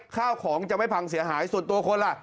ข้าวของจะไม่พังเสียหายส่วนตัวคนล่ะ